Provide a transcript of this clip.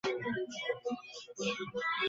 আশা করি, ভগবান আমাকে সেরূপ অবস্থায় ফেলবেন না।